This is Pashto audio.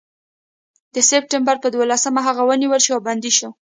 د سپټمبر پر دولسمه هغه ونیول شو او بندي شو.